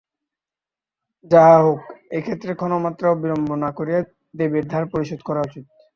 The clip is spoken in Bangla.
যাহা হউক, এক্ষণে ক্ষণমাত্রও বিলম্ব না করিয়া দেবীর ধার পরিশোধ করা উচিত।